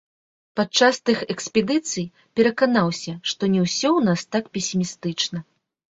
Падчас тых экспедыцый пераканаўся, што не ўсё ў нас так песімістычна.